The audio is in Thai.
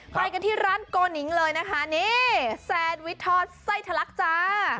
ไปกันที่ร้านโกนิงเลยนะคะนี่แซนวิทอดไส้ทะลักจ้า